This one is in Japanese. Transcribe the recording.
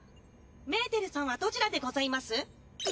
メーテルさんはどちらでございます？